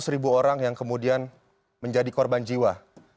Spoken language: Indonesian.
empat ratus ribu orang yang kemudian menjadi korban jiwa